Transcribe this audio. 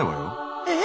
えっ？